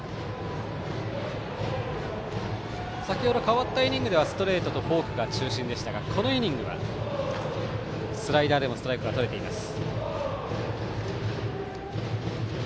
先程の代わったイニングではストレートとフォークが中心でしたがこのイニングはスライダーでもストライクがとれています。